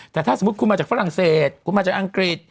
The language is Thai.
แต่ถ้าสมมุติคุณมาจากฝรั่งเศสคุณมาจากอังกฤษ